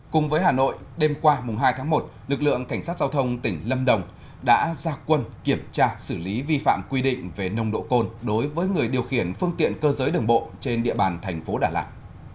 cùng với hà nội đêm qua hai tháng một lực lượng cảnh sát giao thông tỉnh lâm đồng đã ra quân kiểm tra xử lý vi phạm quy định về nồng độ cồn đối với người điều khiển phương tiện cơ giới đường bộ trên địa bàn thành phố đà lạt